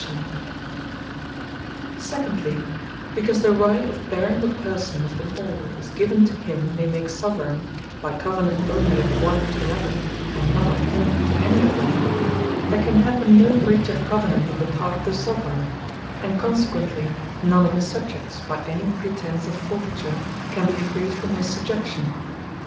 2. Soveraigne Power Cannot Be Forfeited Secondly, Because the Right of bearing the Person of them all, is given to him they make Soveraigne, by Covenant onely of one to another, and not of him to any of them; there can happen no breach of Covenant on the part of the Soveraigne; and consequently none of his Subjects, by any pretence of forfeiture, can be freed from his Subjection.